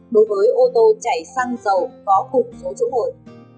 đối với ô tô chảy xăng dầu có cùng số chủng hội